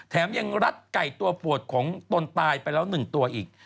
แถมยังรัดไก่ตัวปวดของตนตายไปแล้ว๑ตัวอีก